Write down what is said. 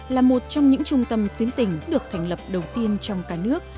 là một trong những trung tâm tuyến tỉnh được thành lập đầu tiên trong cả nước